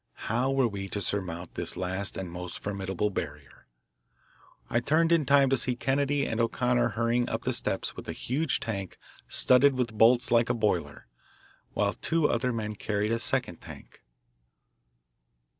How were we to surmount this last and most formidable barrier? I turned in time to see Kennedy and O'Connor hurrying up the steps with a huge tank studded with bolts like a boiler, while two other men carried a second tank.